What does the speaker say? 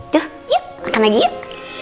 tuh yuk makan lagi yuk